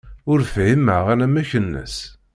Ur fhimeɣ anamek-nnes.